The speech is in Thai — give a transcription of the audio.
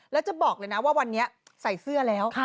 แล้วจะบอกเลยนะว่าวันนี้ใส่เสื้อแล้ว